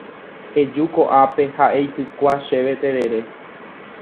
eju ko'ápe ha eitykua chéve terere